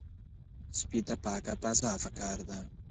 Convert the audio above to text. سپي ته پاکه فضا پکار ده.